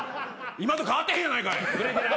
今と変わってへんやないかい。